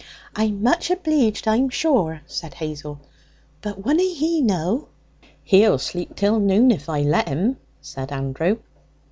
'I'm much obleeged, I'm sure,' said Hazel. 'But wunna he know?' 'He'll sleep till noon if I let 'im,' said Andrew.